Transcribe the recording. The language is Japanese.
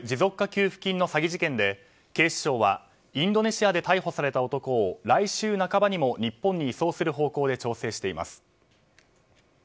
給付金の詐欺事件で警視庁はインドネシアで逮捕された男を来週半ばにも日本に移送する方向で調整しています。